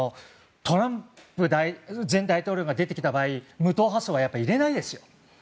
トランプ前大統領が出てきた場合無党派層は入れないですよ。